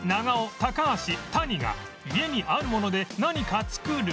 高橋谷が「家にあるもので何か作る」